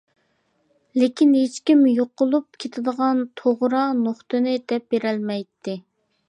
لېكىن ھېچكىم يوقىلىپ كېتىدىغان توغرا نۇقتىنى دەپ بېرەلمەيتتى.